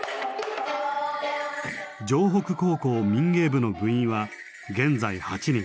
城北高校民芸部の部員は現在８人。